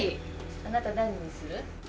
あなた何にする？